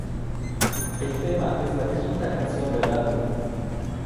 El tema es la quinta canción del álbum.